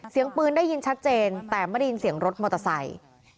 เสียงปืนได้ยินชัดเจนแต่ไม่ได้ยินเสียงรถมอเตอร์ไซค์